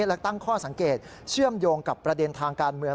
และตั้งข้อสังเกตเชื่อมโยงกับประเด็นทางการเมือง